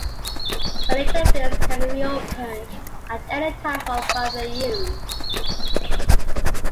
The interface can be reopened at any time for further use.